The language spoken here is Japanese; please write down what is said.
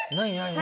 何？